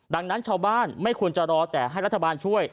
ดังนั้นชาวบ้านไม่ควรจะรอแต่ให้รัฐบาลช่วย